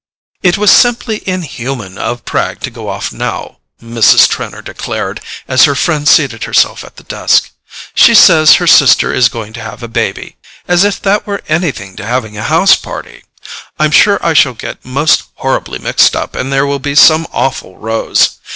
"It was simply inhuman of Pragg to go off now," Mrs. Trenor declared, as her friend seated herself at the desk. "She says her sister is going to have a baby—as if that were anything to having a house party! I'm sure I shall get most horribly mixed up and there will be some awful rows.